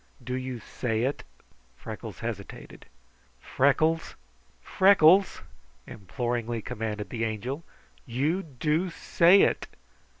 "Do you say it?" Freckles hesitated. "Freckles!" imploringly commanded the Angel, "YOU DO SAY IT!"